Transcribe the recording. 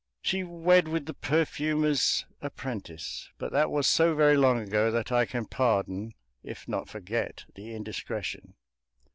She wed with the perfumer's apprentice; but that was so very long ago that I can pardon, if not forget, the indiscretion.